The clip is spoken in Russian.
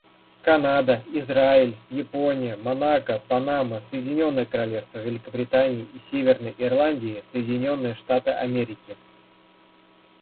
Канада, Израиль, Япония, Монако, Панама, Соединенное Королевство Великобритании и Северной Ирландии, Соединенные Штаты Америки.